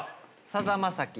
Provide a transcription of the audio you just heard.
さだまさき